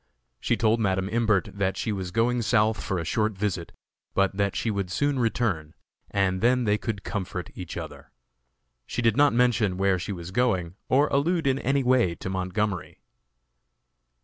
She told Madam Imbert that she was going South for a short visit, but that she would soon return, and then they could comfort each other. She did not mention where she was going, or allude in any way to Montgomery.